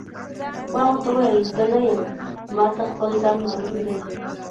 ما ورته وویل: زه نه یم، ما ته خپل ځان معلوم دی.